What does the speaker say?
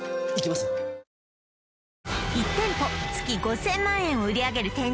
１店舗月５０００万円を売り上げる